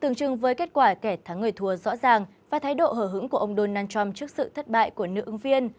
chứng chứng với kết quả kẻ thắng người thua rõ ràng và thái độ hở hứng của ông donald trump trước sự thất bại của nữ ứng viên